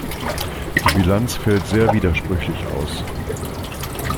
Die Bilanz fällt sehr widersprüchlich aus.